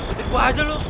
udah gua aja lu